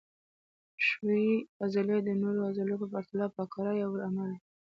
ښویې عضلې د نورو عضلو په پرتله په کراه یا ورو عمل کوي.